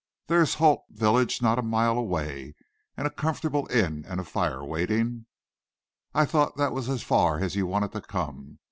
There's Holt village not a mile away, and a comfortable inn and a fire waiting. I thought that was as far as you wanted to come.